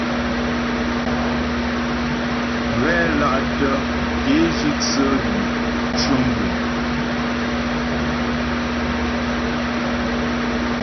Mghɛla'tə ke jǐ tsə hwî cʉm guŋ.